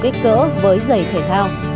kích cỡ với giày thể thao